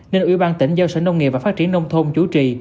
nên ủy ban tỉnh do sở nông nghiệp và phát triển nông thôn chủ trì